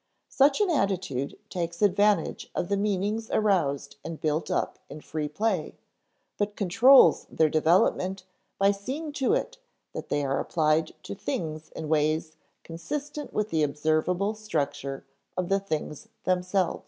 Such an attitude takes advantage of the meanings aroused and built up in free play, but _controls their development by seeing to it that they are applied to things in ways consistent with the observable structure of the things themselves_.